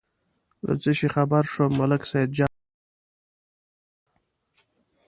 له څه شي خبر شوم، ملک سیدجان یې ځواب ورکړ.